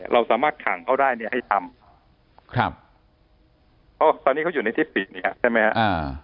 เราสามารถขังเขาได้ให้ทำเพราะตอนนี้เขาอยู่ในที่ปิดใช่ไหมครับ